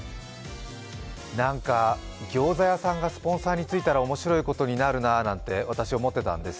なんかギョーザ屋さんがスポンサーについたら面白いなと私は思っていたんです。